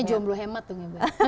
namanya jomblo hemat tuh